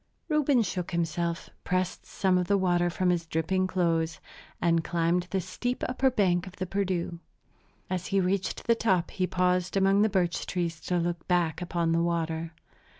Reuben shook himself, pressed some of the water from his dripping clothes, and climbed the steep upper bank of the Perdu. As he reached the top he paused among the birch trees to look back upon the water.